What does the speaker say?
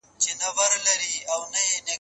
موږ یو چي د دې په سر کي شور وینو